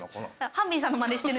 ハンビンさんのマネしてる？